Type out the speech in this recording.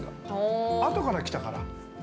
後から来たから。